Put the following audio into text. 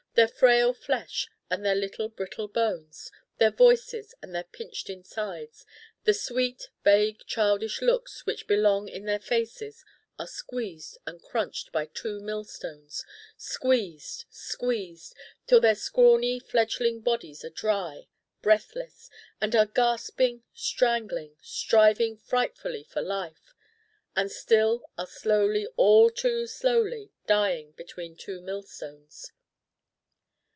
Their frail flesh and their little brittle bones, their voices and their pinched insides, the sweet vague childish looks which belong in their faces are squeezed and crunched by two millstones squeezed, squeezed till their scrawny fledgeling bodies are dry, breathless, and are gasping, strangling, striving frightfully for life: and still are slowly, all too slowly, dying between two millstones.